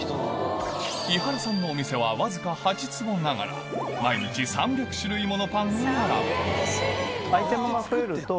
伊原さんのお店はわずか８坪ながら毎日３００種類ものパンが並ぶ